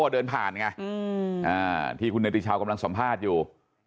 เดินผ่านไงที่คุณเนติชาวกำลังสัมภาษณ์อยู่